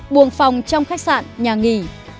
hai sáu năm buồng phòng trong khách sạn nhà nghỉ